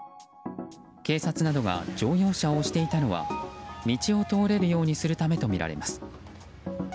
警察などが乗用車を押していたのは道を通れるようにするためとみられています。